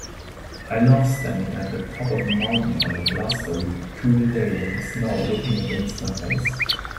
I love standing at the top of a mountain on a blustery, cool day with the snow whipping against my face.